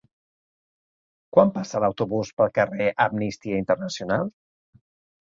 Quan passa l'autobús pel carrer Amnistia Internacional?